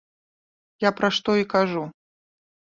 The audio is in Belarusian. Я пра што і кажу.